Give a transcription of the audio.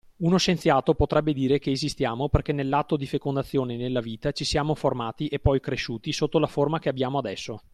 Uno scienziato potrebbe dire che esistiamo perché nell'atto di fecondazione nella vita ci siamo formati e poi cresciuti sotto la forma che abbiamo adesso.